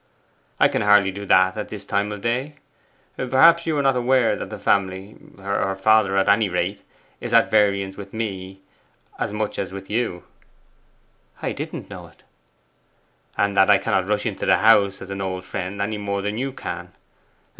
'I can hardly do that at this time of the day. Perhaps you are not aware that the family her father, at any rate is at variance with me as much as with you. 'I didn't know it.' 'And that I cannot rush into the house as an old friend any more than you can.